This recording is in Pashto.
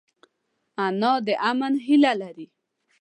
انا د امن هیله لري